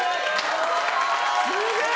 すげえ！